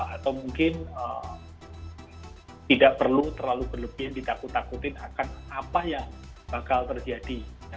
atau mungkin tidak perlu terlalu berlebihan ditakut takutin akan apa yang bakal terjadi